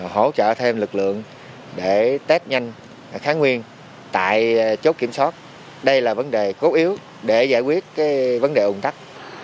hỗ trợ thêm lực lượng để test nhanh kháng nguyên tại chốt kiểm soát đây là vấn đề cốt yếu để giải quyết vấn đề ủng tắc